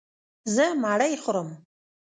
زه مړۍ خورم.